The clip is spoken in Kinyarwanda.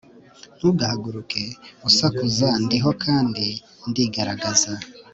Ntugahaguruke usakuza Ndiho kandi ndigaragaza